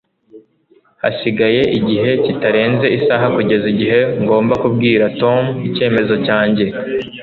Hasigaye igihe kitarenze isaha kugeza igihe ngomba kubwira Tom icyemezo cyanjye.